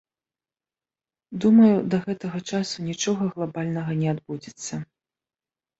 Думаю, да гэтага часу нічога глабальнага не адбудзецца.